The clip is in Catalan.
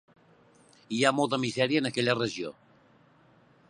Hi ha molta misèria en aquella regió.